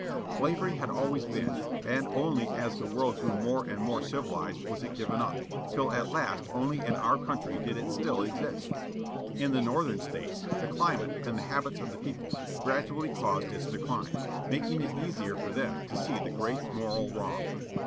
Slavery had always been, and only as the world grew more and more civilized was it given up, till at last only in our own country did it still exist. In the Northern States, the climate, and habits of the people, gradually caused its decline, making it easier for them to see the great moral wrong.